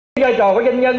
giai trò của doanh nhân